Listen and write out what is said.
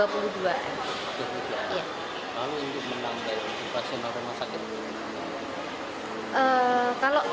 lalu ini menanggai vaksin rumah sakit